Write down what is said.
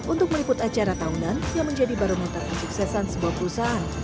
untuk meliput acara tahunan yang menjadi barometer kesuksesan sebuah perusahaan